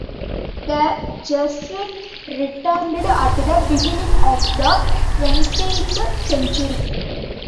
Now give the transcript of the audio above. The Jesuits returned at the beginning of the twentieth century.